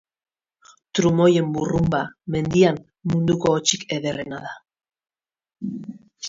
Trumoien burrunba, mendian, munduko hotsik ederrena zen.